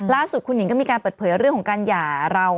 ล่าสุดคุณหิงก็มีการเปิดเผยเรื่องของการหย่าเรา